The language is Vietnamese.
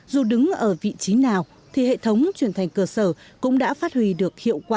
dù đứng ở vị trí nào thì hệ thống truyền thanh cơ sở cũng đã phát huy được hiệu quả